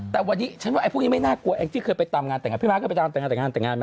แต่วันนี้ถูกจะก็ไม่น่ากลัวแกที่เคยไปตามงานต่างเอาไปละแต่งงานแต่งงานนะ